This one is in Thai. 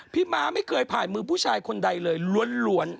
ม้าไม่เคยผ่านมือผู้ชายคนใดเลยล้วน